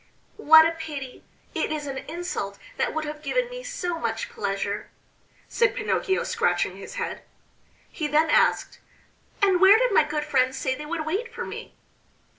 "What a pity! It is an insult that would have given me so much pleasure!" said Pinocchio, scratching his head. He then asked: "And where did my good friends say they would wait for me?"